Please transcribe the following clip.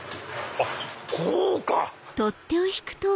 あっこうか！